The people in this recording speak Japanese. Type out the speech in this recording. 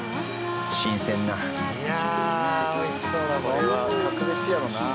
これは格別やろな。